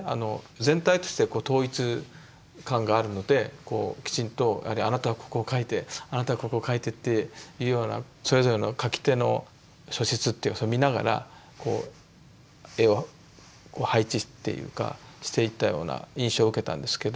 全体として統一感があるのできちんと「あなたはここを描いてあなたはここを描いて」っていうようなそれぞれの描き手の素質っていうのを見ながら絵を配置っていうかしていったような印象を受けたんですけど。